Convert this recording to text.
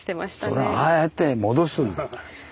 それをあえて戻すんだからさ。